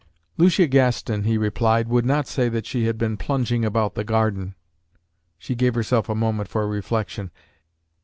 "Lucia Gaston," he replied, "would not say that she had been 'plunging' about the garden." She gave herself a moment for reflection.